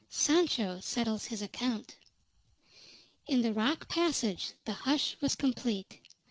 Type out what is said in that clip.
SANCHO SETTLES HIS ACCOUNT. In the rock passage the hush was complete.